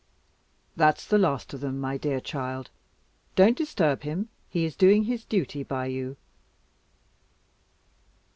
"That's the last of them, my dear child. Don't disturb him. He is doing his duty by you."